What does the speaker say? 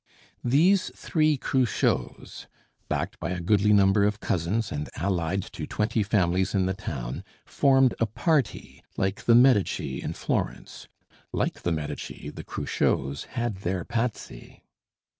These three Cruchots, backed by a goodly number of cousins, and allied to twenty families in the town, formed a party, like the Medici in Florence; like the Medici, the Cruchots had their Pazzi.